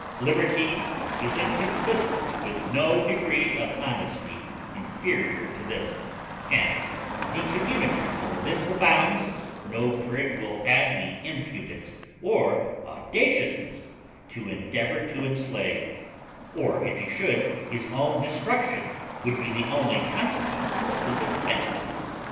Liberty is consistent with no degree of honesty inferior to this, and the community where this abounds no prig will have the impudence or audaciousness to endeavour to enslave; or if he should, his own destruction would be the only consequence of his attempt.